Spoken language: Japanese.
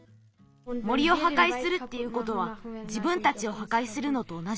森をはかいするっていうことはじぶんたちをはかいするのとおなじなんだ。